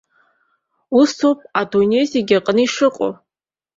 Ус ауп адунеи зегьы аҟны ишыҟоу.